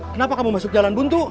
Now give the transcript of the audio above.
kenapa kamu masuk jalan buntu